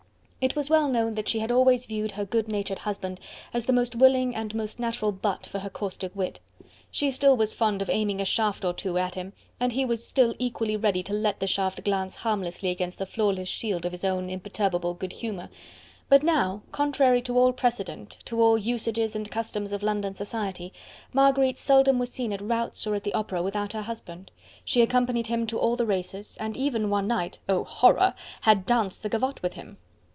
It was well known that she had always viewed her good natured husband as the most willing and most natural butt for her caustic wit; she still was fond of aiming a shaft or two at him, and he was still equally ready to let the shaft glance harmlessly against the flawless shield of his own imperturbable good humour, but now, contrary to all precedent, to all usages and customs of London society, Marguerite seldom was seen at routs or at the opera without her husband; she accompanied him to all the races, and even one night oh horror! had danced the gavotte with him.